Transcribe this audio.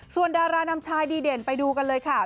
ส่วนดารานำชายดีเด่นไปดูกันเลยค่ะ